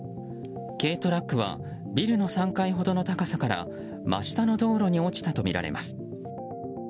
軽トラックはビルの３階ほどの高さから真下の道路に落ちたとみられます。